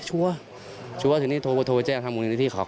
ชัวร์ที่นี่ถูกแจ้งทำมืองิที่เคาะ